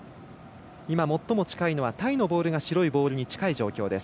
今最も近いのがタイのボールが白いボールに近い状況です。